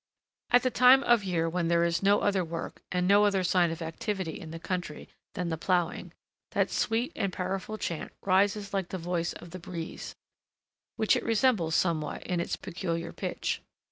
At the time of year when there is no other work and no other sign of activity in the country than the ploughing, that sweet and powerful chant rises like the voice of the breeze, which it resembles somewhat in its peculiar pitch.